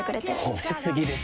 褒め過ぎですよ。